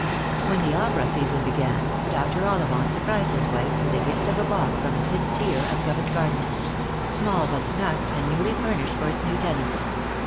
When the opera season began, Dr. Ollivant surprised his wife with the gift of a box on the pit tier of Covent Garden ; small, but snug, and newly fur nished for its new tenant.